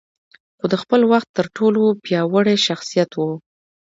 خو د خپل وخت تر ټولو پياوړی شخصيت و.